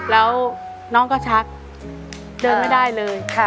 แล้วน้องก็ชักเดินไม่ได้เลย